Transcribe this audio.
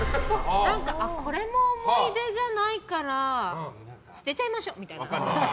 これ、思い出じゃないから捨てちゃいましょうみたいな。